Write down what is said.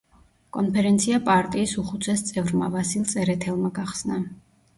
კონფერენცია პარტიის უხუცეს წევრმა ვასილ წერეთელმა გახსნა.